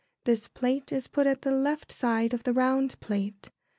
This plate is put at the left side of the round plate.